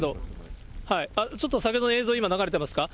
ちょっと先ほどの映像、今、流れてますか。